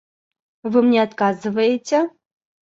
Вы мне отказываете?